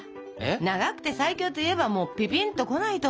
「長くて最強」といえばピピンとこないと！